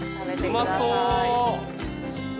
うまそう！